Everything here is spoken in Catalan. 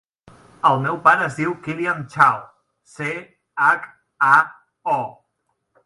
El meu pare es diu Kylian Chao: ce, hac, a, o.